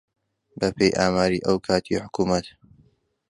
بەپێی ئاماری ئەو کاتی حکوومەت